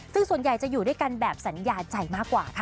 ซึ่งส่วนใหญ่จะอยู่ด้วยกันแบบสัญญาใจมากกว่าค่ะ